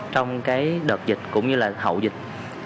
trong đợt dịch cũng như là hậu dịch